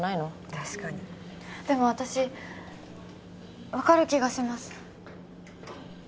確かにでも私分かる気がします